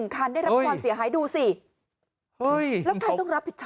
อ้อฟ้าอ้อฟ้าอ้อฟ้าอ้อฟ้าอ้อฟ้า